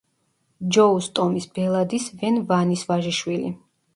ჯოუს ტომის ბელადის ვენ ვანის ვაჟიშვილი.